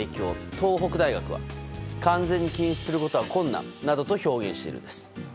東北大学は完全に禁止することは困難などと表現しています。